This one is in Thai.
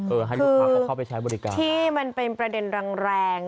ให้ลูกค้าเขาเข้าไปใช้บริการที่มันเป็นประเด็นแรงแรง